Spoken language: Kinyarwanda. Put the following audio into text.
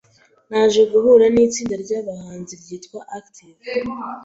Naje guhura n’itsinda ry’abahanzi ryitwa Active